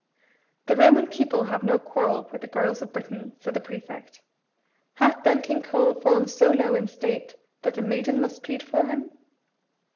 "The Roman people have no quarrel with the girls of Britain," said the prefect. "Hath then King Coel fallen so low in state that a maiden must plead for him?"